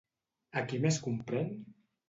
A qui més comprèn?